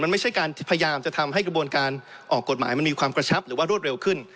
มันไม่ใช่การพยายามจะทำให้กระบวนการออกกฎหมายมันมีความกระชับหรือว่ารวดเร็วขึ้น